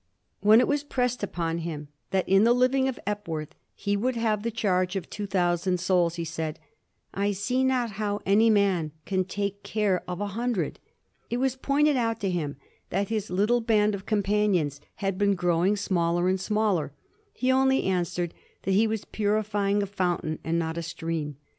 When it was pressed upon him that in the living of Epworth he would have the charge of two thou sand souls he said, '^ I see not how any man can take care of a hundred." It was pointed out to him that his little band of companions had been growing smaller and small er; he only answered that he was purifying a fountain and not a stream.